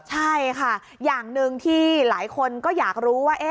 ใช่ค่ะอย่างหนึ่งที่หลายคนก็อยากรู้ว่า